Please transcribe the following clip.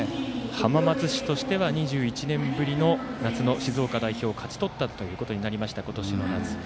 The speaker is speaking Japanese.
浜松市としては２１年ぶりの夏の静岡代表を勝ち取ったということになりました、今年の夏。